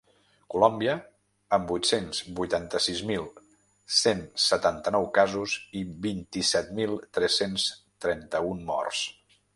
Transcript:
Colòmbia, amb vuit-cents vuitanta-sis mil cent setanta-nou casos i vint-i-set mil tres-cents trenta-un morts.